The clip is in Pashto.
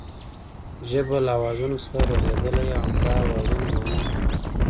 ژبه له آوازونو څخه رغېدلې او همدا آوازونه مانا خوندي کوي